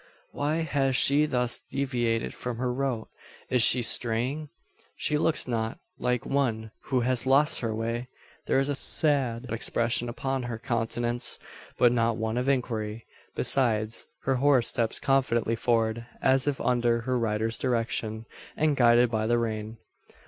Why has she thus deviated from her route? Is she straying? She looks not like one who has lost her way. There is a sad expression upon her countenance, but not one of inquiry. Besides, her horse steps confidently forward, as if under his rider's direction, and guided by the rein.